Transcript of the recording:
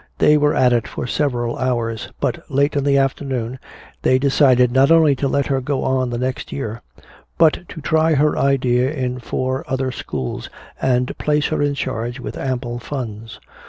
They were at it for several hours, but late in the afternoon they decided not only to let her go on the next year but to try her idea in four other schools and place her in charge with ample funds.